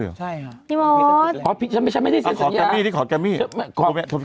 ลิขสิทธิ์แกมมี่ไม่ได้